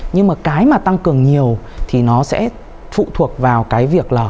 nhưng mà cái mà tăng cường nhiều thì nó sẽ phụ thuộc vào cái việc là